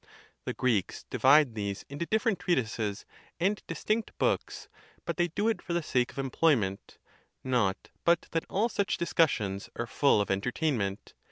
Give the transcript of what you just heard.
The Greeks divide these into different treatises and distinct books; but they do it for the sake of employment: not but that all such discussions are full of entertainment.